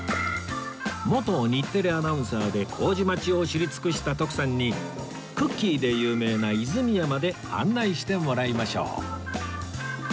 元日テレアナウンサーで麹町を知り尽くした徳さんにクッキーで有名な泉屋まで案内してもらいましょう